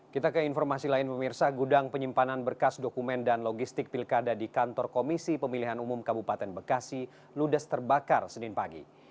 kita ke informasi lain pemirsa gudang penyimpanan berkas dokumen dan logistik pilkada di kantor komisi pemilihan umum kabupaten bekasi ludes terbakar senin pagi